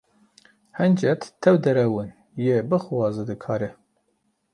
Hincet tev derew in, yê bixwaze, dikare.